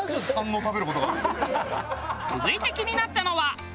続いて気になったのは。